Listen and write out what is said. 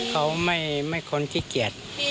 เขาไม่คนขี้เกียจ